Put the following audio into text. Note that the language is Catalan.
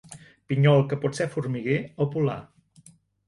Pinyol que pot ser formiguer o polar.